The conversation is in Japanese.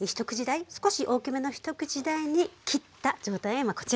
少し大きめの一口大に切った状態が今こちらに入ってます。